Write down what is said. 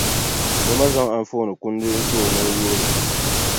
O ma zaŋ anfooninima kundi n-ti o, ni o yooi li.